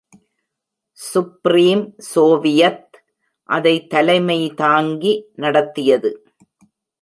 Supreme Soviet அதை தலைமை தாங்கி நடத்தியது.